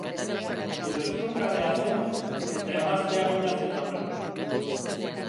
Edo ezkongabea zen, eta emazte bila zetorren.